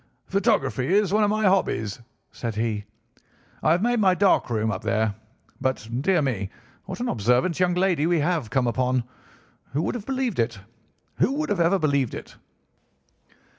"'Photography is one of my hobbies,' said he. 'I have made my dark room up there. But, dear me! what an observant young lady we have come upon. Who would have believed it? Who would have ever believed it?